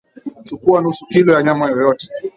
Chukua nusu kilo ya nyama yoyote